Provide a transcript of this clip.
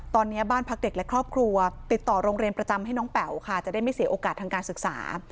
ตอนนี้บ้านพักเด็กและครอบครัวติดต่อโรงเรียนประจำให้น้องแป๋วค่ะจะได้ไม่เสียโอกาสทางการศึกษา